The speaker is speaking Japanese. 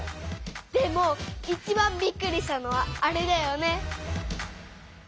でもいちばんびっくりしたのはあれだよね。